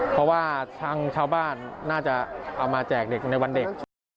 เพราะว่าทางชาวบ้านน่าจะเอามาแจกเด็กในวันเด็ก